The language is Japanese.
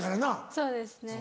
そうですね。